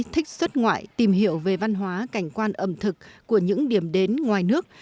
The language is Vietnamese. thích xuất ngoại tìm hiểu về văn hóa cảnh quan ẩm thực của những điểm đến ngoài nước